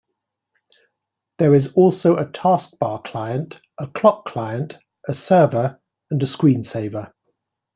There is also a taskbar client, a clock client, a server, and a screensaver.